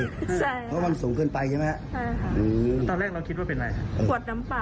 เพราะว่ามันสูงเกินไปใช่ไหม